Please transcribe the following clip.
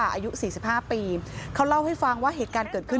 อายุ๔๕ปีเขาเล่าให้ฟังว่าเหตุการณ์เกิดขึ้น